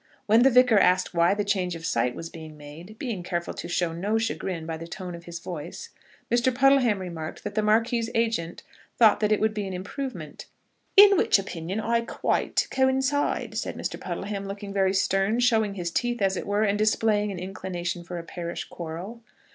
When the Vicar asked why the change of site was made, being careful to show no chagrin by the tone of his voice, Mr. Puddleham remarked that the Marquis's agent thought that it would be an improvement, "in which opinion I quite coincide," said Mr. Puddleham, looking very stern, showing his teeth, as it were, and displaying an inclination for a parish quarrel.